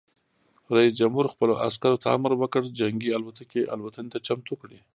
رئیس جمهور خپلو عسکرو ته امر وکړ؛ جنګي الوتکې الوتنې ته چمتو کړئ!